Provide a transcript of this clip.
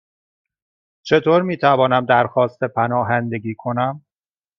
چطور می توانم درخواست پناهندگی کنم؟